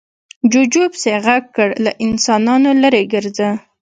جوجو پسې غږ کړ، له انسانانو ليرې ګرځه.